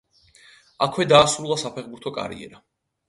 აქვე დაასრულა საფეხბურთო კარიერა.